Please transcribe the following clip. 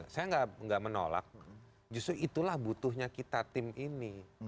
saya tidak menolak justru itulah butuhnya kita tim ini